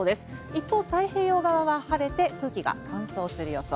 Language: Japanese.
一方、太平洋側は晴れて、空気が乾燥する予想。